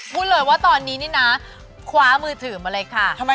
พูดเลยว่าตอนนี้นี่นะคว้ามือถือมาเลยค่ะ